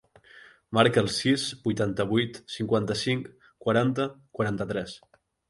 Marca el sis, vuitanta-vuit, cinquanta-cinc, quaranta, quaranta-tres.